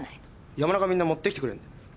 山田がみんな持ってきてくれんだよ。